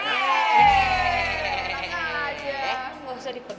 lo gak usah dipegang